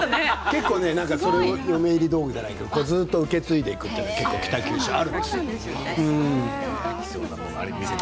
嫁入り道具じゃないけどずっと受け継いでいくというのは北九州にあるんですよ。